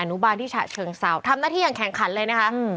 นุบาลที่ฉะเชิงเซาทำหน้าที่อย่างแข่งขันเลยนะคะอืม